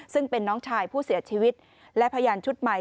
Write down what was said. ซึ่งเป็นน้องชายผู้เสียชีวิตและพยานชุดใหม่